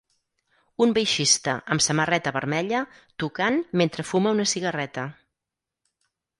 Un baixista amb samarreta vermella tocant mentre fuma una cigarreta.